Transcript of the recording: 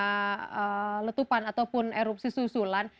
apakah penyebabnya letupan ataupun erupsi susulan